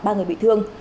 ba người bị thương